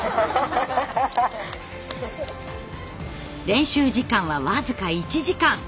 練習時間は僅か１時間。